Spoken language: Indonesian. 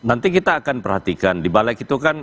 nanti kita akan perhatikan di balik itu kan